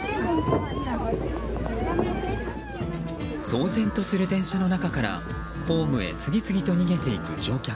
騒然とする電車の中からホームへ次々と逃げていく乗客。